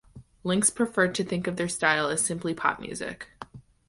Linx preferred to think of their style as simply pop music.